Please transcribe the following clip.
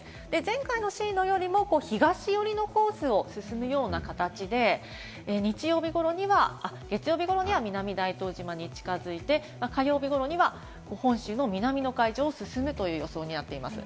前回の進路よりも東寄りのコースを進むような形で、月曜日頃には南大東島に近づいて、火曜日頃には本州の南の海上を進むという予想になっています。